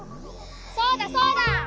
そうだそうだ！